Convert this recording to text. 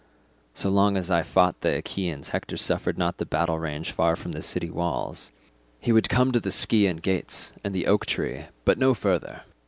So long as I fought the Achaeans Hector suffered not the battle range far from the city walls; he would come to the Scaean gates and to the oak tree, but no further.